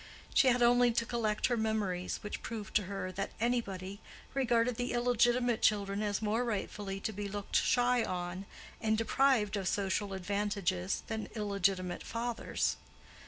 She had only to collect her memories, which proved to her that "anybody" regarded the illegitimate children as more rightfully to be looked shy on and deprived of social advantages than illegitimate fathers.